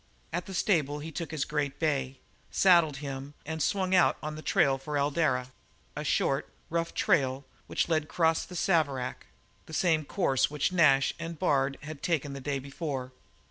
At the stable he took his great bay, saddled him, and swung out on the trail for Eldara, a short, rough trail which led across the Saverack the same course which Nash and Bard had taken the day before.